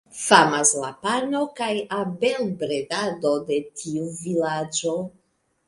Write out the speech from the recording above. Famas la pano kaj abelbredado de tiu vilaĝo.